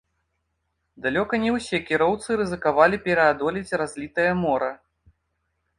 Далёка не ўсе кіроўцы рызыкавалі пераадолець разлітае мора.